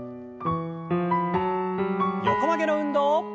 横曲げの運動。